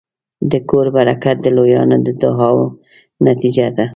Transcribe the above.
د کور برکت د لویانو د دعاوو نتیجه ده.